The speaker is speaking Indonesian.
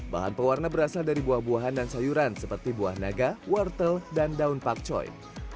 bahan pewarna berasal dari buah buahan dan sayuran seperti buah naga wortel dan daun pakcoy